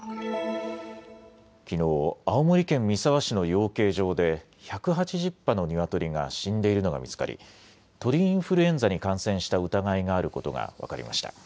きのう、青森県三沢市の養鶏場で１８０羽のニワトリが死んでいるのが見つかり鳥インフルエンザに感染した疑いがあることが分かりました。